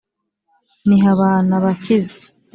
ni habanaba kize.